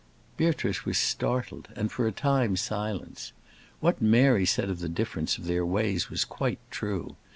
Beatrice was startled, and, for a time, silenced. What Mary said of the difference of their ways was quite true.